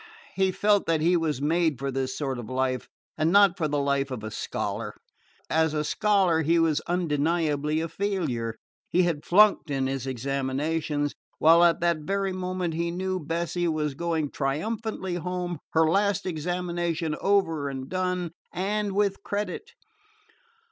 He felt that he was made for this sort of life and not for the life of a scholar. As a scholar he was undeniably a failure. He had flunked in his examinations, while at that very moment, he knew, Bessie was going triumphantly home, her last examination over and done, and with credit.